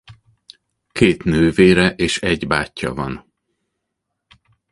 Két nővére és egy bátyja van.